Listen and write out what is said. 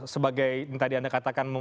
sebagai yang tadi anda katakan